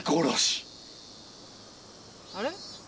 あれ？